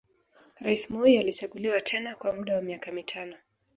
Rais Moi alichaguliwa tena kwa muda wa miaka mitano